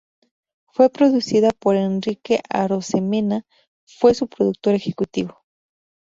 Fue producida por Enrique Arosemena fue su productor ejecutivo.